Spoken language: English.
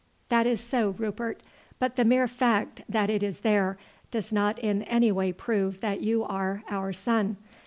"That is so, Rupert; but the mere fact that it is there does not in any way prove that you are our son.